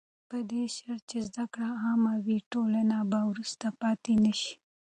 په دې شرط چې زده کړه عامه وي، ټولنه به وروسته پاتې نه شي.